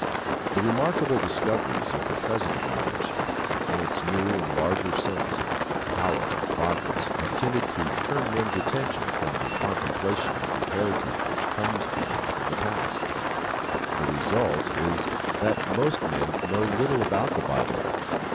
The remarkable discoveries of the present generation and its new and larger sense of power and progress have tended to turn men's attention from the contemplation of the heritage which comes to them from the past. The result is that most men know little about the Bible.